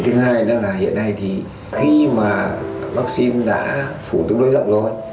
thứ hai đó là hiện nay thì khi mà vaccine đã phủ tức đối rộng rồi